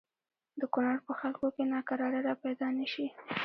د کونړ په خلکو کې ناکراری را پیدا نه شي.